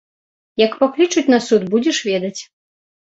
Як паклічуць на суд, будзеш ведаць.